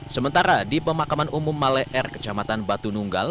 sementara di pemakaman umum malai r kecamatan batu nunggal